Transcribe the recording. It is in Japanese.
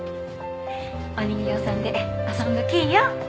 お人形さんで遊んどきよ。